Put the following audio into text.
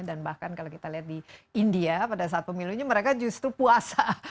dan bahkan kalau kita lihat di india pada saat pemilunya mereka justru puasa